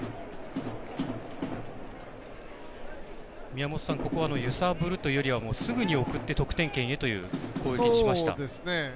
宮本さん、ここは揺さぶるというよりはすぐに送って得点圏へという攻撃にしました。